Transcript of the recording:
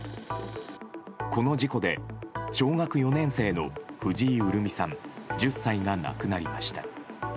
この事故で、小学４年生の藤井潤美さん、１０歳が亡くなりました。